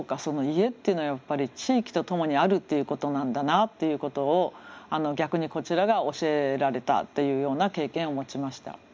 家っていうのはやっぱり地域と共にあるっていうことなんだなっていうことを逆にこちらが教えられたというような経験を持ちました。